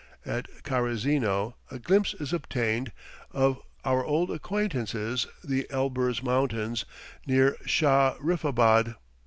At Karizeno, a glimpse is obtained of our old acquaintances the Elburz Mountains, near Shah riffabad.